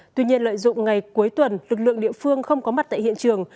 tuy nhiên lợi dụng ngày cuối tuần lực lượng địa phương không có mặt tại hiện trường